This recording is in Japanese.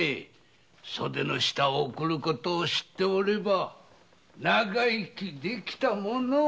袖の下を贈る事を知っておれば長生き出来たものを。